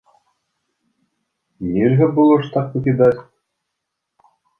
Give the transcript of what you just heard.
Нельга было ж так пакідаць.